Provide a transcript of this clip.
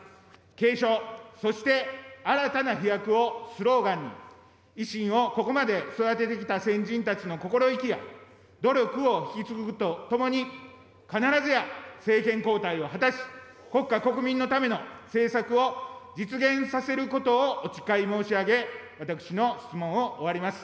継承そして新たな飛躍をスローガンに、維新をここまで育ててきた先人たちの心意気や、努力を引き継ぐとともに、必ずや政権交代を果たし、国家・国民のための政策を実現させることをお誓い申し上げ、私の質問を終わります。